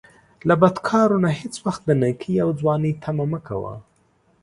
له بدکارو نه هیڅ وخت د نیکۍ او ځوانۍ طمعه مه کوه